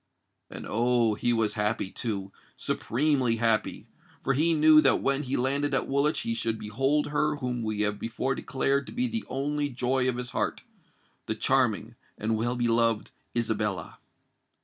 And, oh! he was happy, too—supremely happy; for he knew that when he landed at Woolwich he should behold her whom we have before declared to be the only joy of his heart—the charming and well beloved Isabella!